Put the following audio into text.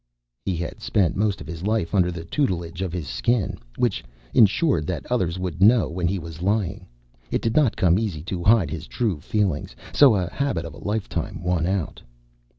He had spent most of his life under the tutelage of his Skin, which ensured that others would know when he was lying. It did not come easy to hide his true feelings. So a habit of a lifetime won out.